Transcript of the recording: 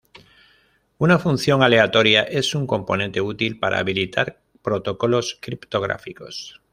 Una función aleatoria es un componente útil para habilitar protocolos criptográficos.